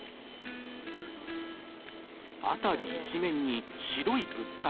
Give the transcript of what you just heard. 辺り一面に白い物体。